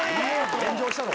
炎上したろ。